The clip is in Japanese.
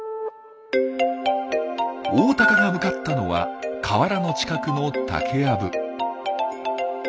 オオタカが向かったのは河原の近くの竹やぶ。